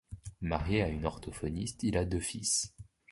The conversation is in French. Marié à une orthophoniste, il a deux fils.